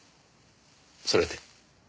それで？